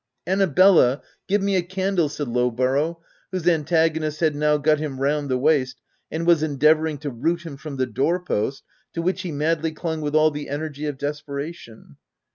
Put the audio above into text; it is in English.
" Annabella, give me a candle!" said Low borough whose antagonist had now got him round the waist and was endeavouring to root him from the door post to which he madly clung with all the energy of desperation.